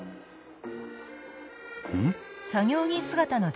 うん？